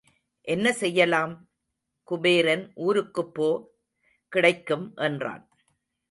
என்ன செய்யலாம்? குபேரன் ஊருக்குப்போ, கிடைக்கும் என்றான்.